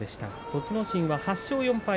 栃ノ心、８勝４敗